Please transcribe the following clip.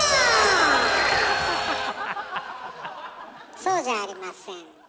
そうじゃありません。